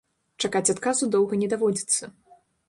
Чакаць адказу доўга не даводзіцца.